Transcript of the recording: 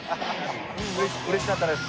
うれしかったです。